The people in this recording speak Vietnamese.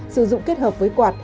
sử dụng kết hợp với quạt